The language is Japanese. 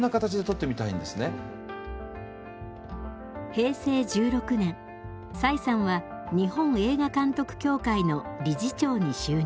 平成１６年崔さんは日本映画監督協会の理事長に就任。